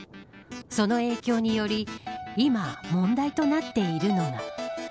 その影響により今問題となっているのが。